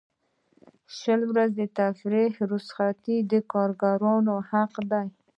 شل ورځې تفریحي رخصتۍ د کارکوونکي حق دی.